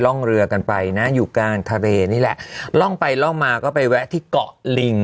ร่องเรือกันไปนะอยู่กลางทะเลนี่แหละล่องไปล่องมาก็ไปแวะที่เกาะลิง